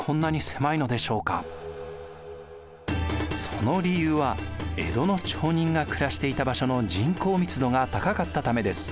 その理由は江戸の町人が暮らしていた場所の人口密度が高かったためです。